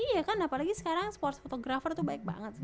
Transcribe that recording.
iya kan apalagi sekarang sports photographer tuh banyak banget